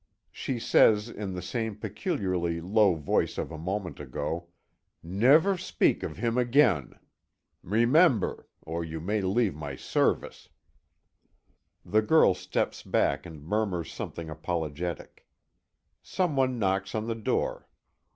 She says, in the same peculiarly low voice of a moment ago: "Never speak of him again. Remember! or you leave my service." The girl steps back and murmurs something apologetic. Some one knocks on the door.